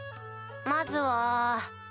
まずは。